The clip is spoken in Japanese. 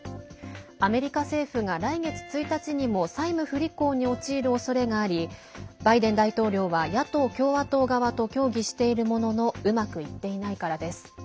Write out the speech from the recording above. アメリカ政府が、来月１日にも債務不履行に陥るおそれがありバイデン大統領は野党・共和党側と協議しているもののうまくいっていないからです。